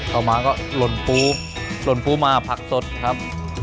ครับต่อมาก็หล่นปูหล่นปูมาผักสดครับ